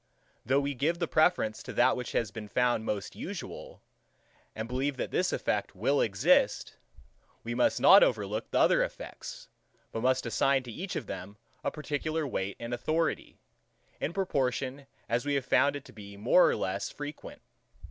Though we give the preference to that which has been found most usual, and believe that this effect will exist, we must not overlook the other effects, but must assign to each of them a particular weight and authority, in proportion as we have found it to be more or less frequent.